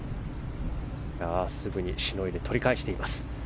すぐにしのいで取り返しています。